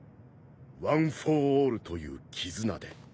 ワン・フォー・オールという絆で。